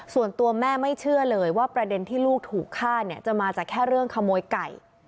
ส่วนตัวแม่ไม่เชื่อเลยว่าประเด็นที่ลูกถูกฆ่าเนี่ยจะมาจากแค่เรื่องขโมยไก่